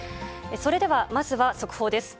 それでは、まずは速報です。